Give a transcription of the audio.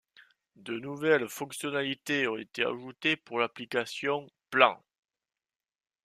De nouvelles fonctionnalités ont été ajoutées pour l'application Plans.